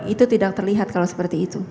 itu tidak terlihat kalau seperti itu